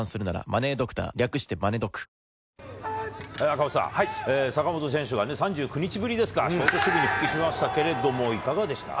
赤星さん、坂本選手が、３９日ぶりですか、ショート守備に復帰しましたけれども、いかがでした？